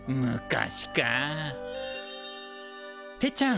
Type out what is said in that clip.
てっちゃん